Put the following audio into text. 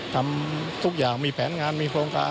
ทำทุกอย่างมีแผนงานมีโครงการ